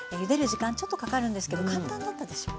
時間ちょっとかかるんですけど簡単だったでしょ？